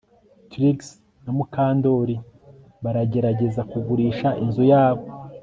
Trix na Mukandoli baragerageza kugurisha inzu yabo